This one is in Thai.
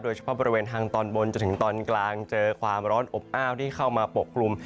เฉพาะบริเวณทางตอนบนจนถึงตอนกลางเจอความร้อนอบอ้าวที่เข้ามาปกกลุ่ม